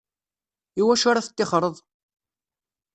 I wacu ara teṭṭixxreḍ?